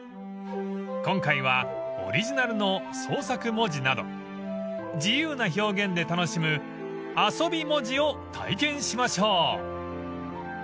［今回はオリジナルの創作文字など自由な表現で楽しむ遊び文字を体験しましょう］